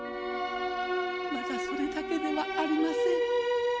「まだそれだけではありません。